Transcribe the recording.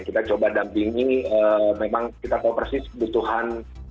kita coba dampingi memang kita tahu persis kebutuhan